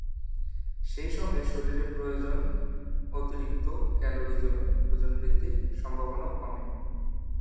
সেই সঙ্গে শরীরে প্রয়োজন অতিরিক্ত ক্যালরি জমে ওজন বৃদ্ধির সম্ভাবনাও কমে।